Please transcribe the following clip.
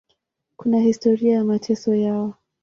Kuna historia ya mateso yao.